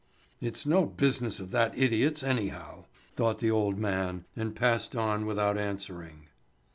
"It's no business of that idiot's anyhow!" thought the old man, and passed on without answering.